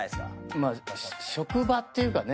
まあ職場っていうかね。